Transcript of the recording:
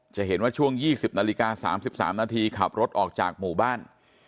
จะเห็นว่าช่วง๒๐นาฬิกา๓๓นาทีขับรถออกจากหมู่บ้าน